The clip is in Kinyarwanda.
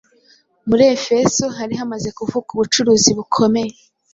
Muri Efeso hari hamaze kuvuka ubucuruzi bukomeye